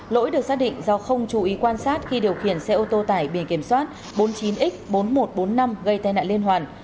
lỗi được xác định do không chú ý quan sát khi điều khiển xe ô tô tải biển kiểm soát bốn mươi chín x bốn nghìn một trăm bốn mươi năm gây tai nạn liên hoàn